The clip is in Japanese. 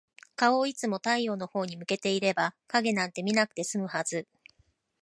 顔をいつも太陽のほうに向けていれば、影なんて見なくて済むはず。